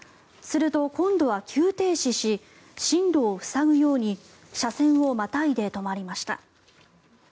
すると今度は急停止し進路を塞ぐように車線をまたいで止まりました。